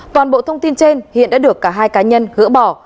toàn bộ thông tin trên hiện đã được cả hai cá nhân gỡ bỏ